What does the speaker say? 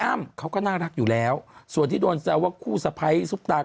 เขาก็น่ารักอยู่แล้วส่วนที่โดนแซวว่าคู่สะพ้ายซุปตา